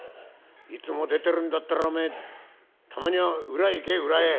「いつも出てるんだったらお前たまにゃ裏へ行け裏へ」。